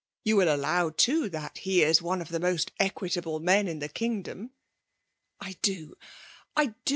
You will allow> too^ that he is one of the most equitable men in the kingdcmi T ''I doj I do!